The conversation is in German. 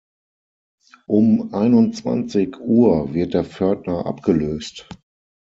Um einundzwanzig Uhr wird der Pförtner abgelöst.